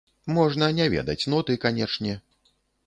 Можна не ведаць ноты, канечне.